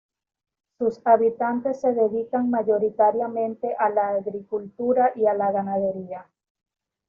Sus habitantes se dedican mayoritariamente a las agricultura y la y ganadería.